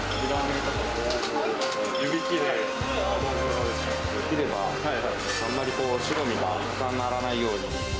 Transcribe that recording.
できればあんまりこう、白身が重ならないように。